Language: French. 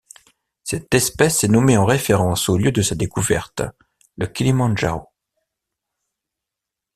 Cette espèce est nommée en référence au lieu de sa découverte, le Kilimandjaro.